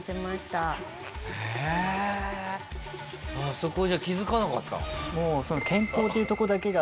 そこじゃ気づかなかった？